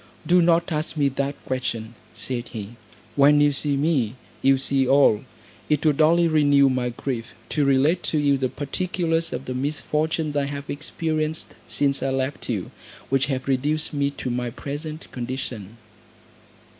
"Do not ask me that question," said he; "when you see me, you see all: it would only renew my grief, to relate to you the particulars of the misfortunes I have experienced since I left you, which have reduced me to my present condition."